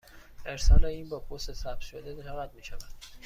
ارسال این با پست ثبت شده چقدر می شود؟